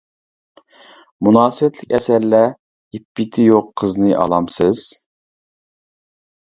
مۇناسىۋەتلىك ئەسەرلەر ئىپپىتى يوق قىزنى ئالامسىز!